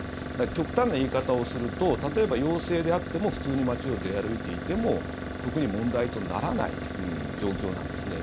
極端な言い方をすると例えば陽性であっても普通に街を出歩いていても特に問題とならない状況なんですね。